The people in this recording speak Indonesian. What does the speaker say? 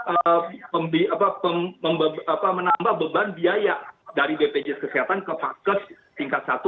apa menambah beban biaya dari bpjs kesehatan ke fakes tingkat satu